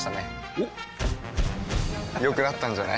おっ良くなったんじゃない？